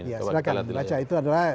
silahkan baca itu adalah